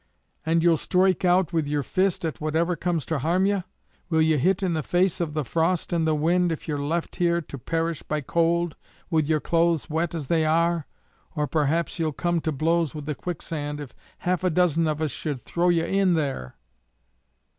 "And ye'll stroike out with yer fist at whatever comes to harm ye? Will ye hit in the face of the frost and the wind if ye're left here to perish by cold, with your clothes wet as they are? or perhaps ye'll come to blows with the quicksand if half a dozen of us should throw ye in there."